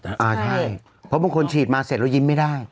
ใช่เพราะบางคนฉีดมาเสร็จแล้วยิ้มไม่ได้